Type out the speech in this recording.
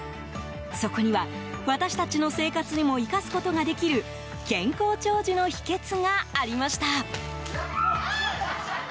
そこには私たちの生活にも生かすことができる健康長寿の秘訣がありました。